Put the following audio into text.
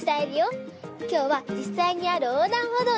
きょうはじっさいにあるおうだんほどうにきました！